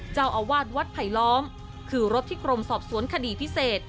เจ้าอาวาสวัดไผลล้อมคือรถที่กรมสอบสวนคดีพิเศษ